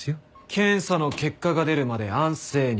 検査の結果が出るまで安静に！